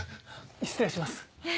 失礼します。